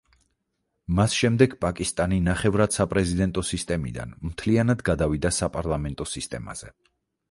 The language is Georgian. მას შემდეგ, პაკისტანი ნახევრად საპრეზიდენტო სისტემიდან, მთლიანად გადავიდა საპარლამენტო სისტემაზე.